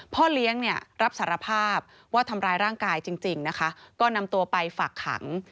พ่อเลี้ยงเนี่ยรับสารภาพว่าทำร้ายร่างกายจริงนะคะก็นำตัวไปฝากขัง